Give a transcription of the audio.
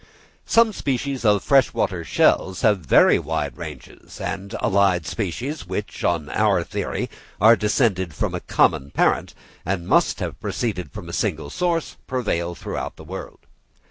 Some species of fresh water shells have very wide ranges, and allied species which, on our theory, are descended from a common parent, and must have proceeded from a single source, prevail throughout the world.